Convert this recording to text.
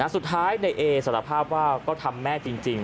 สุดท้ายในเอสารภาพว่าก็ทำแม่จริง